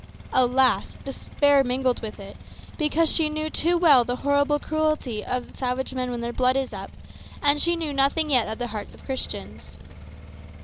Alas! despair mingled with it, because she knew too well the terrible cruelty of savage men when their blood is up, and she knew nothing yet of the hearts of Christians.